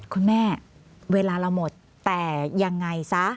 คุณแม่เวลาเราหมดแต่ยังไงซะ